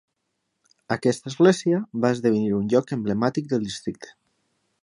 Aquesta església va esdevenir un lloc emblemàtic del districte.